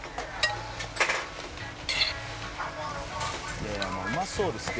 「いやいやまあうまそうですけど」